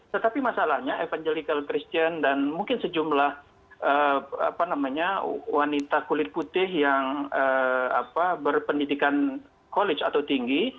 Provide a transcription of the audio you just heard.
tetapi masalahnya evangelical christian dan mungkin sejumlah wanita kulit putih yang berpendidikan college atau tinggi